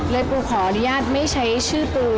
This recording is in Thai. ปูขออนุญาตไม่ใช้ชื่อปู